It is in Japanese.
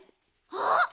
あっ！